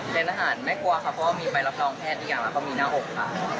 เกณฑ์อาหารไม่กลัวค่ะเพราะว่ามีไปรับรองแพทย์มีหน้าอกค่ะ